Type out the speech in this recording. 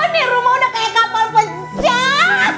ini rumah udah kayak kapal pecah